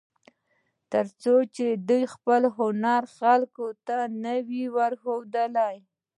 تر څو چې دې خپل هنر خلکو ته نه وي ښوولی.